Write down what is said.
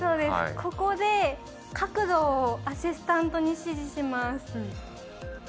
ここで角度をアシスタントに指示します。